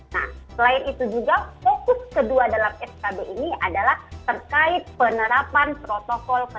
nah selain itu juga fokus kedua dalam skb ini adalah terkait penerapan protokol kesehatan